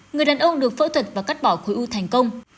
người đàn ông được phẫu thuật và cắt bỏ khối u thành công